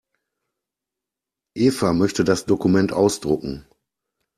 Eva möchte das Dokument ausdrucken.